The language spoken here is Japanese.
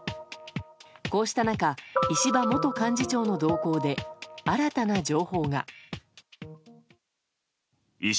こうした中石破元幹事長の動向で新たな情報が。